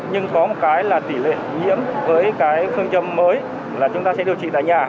nhưng có một cái là tỷ lệ nhiễm với cái phương châm mới là chúng ta sẽ điều trị tại nhà